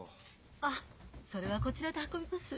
あっそれはこちらで運びます。